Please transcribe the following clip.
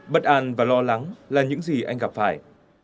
bất an và lo lắng là những gì anh gặp phải